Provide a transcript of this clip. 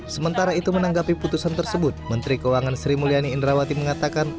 sementara itu menanggapi putusan tersebut menteri keuangan sri mulyani indrawati mengatakan